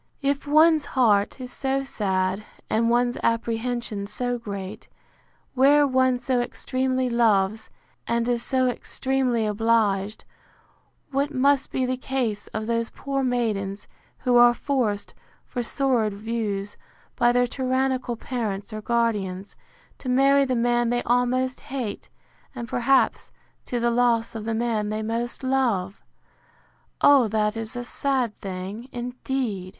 —If one's heart is so sad, and one's apprehension so great, where one so extremely loves, and is so extremely obliged; what must be the case of those poor maidens, who are forced, for sordid views, by their tyrannical parents or guardians, to marry the man they almost hate, and, perhaps, to the loss of the man they most love! O that is a sad thing, indeed!